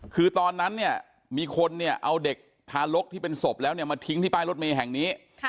คือตอนนั้นมีคนเอาเด็กธารกที่เป็นศพแล้วมาทิ้งที่ป้ายรถเมย์แห่งนี้